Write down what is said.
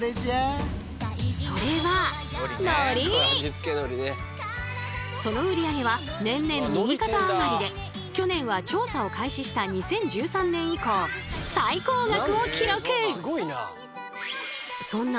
それはその売り上げは年々右肩上がりで去年は調査を開始した２０１３年以降最高額を記録！